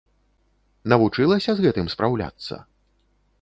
Навучылася з гэтым спраўляцца?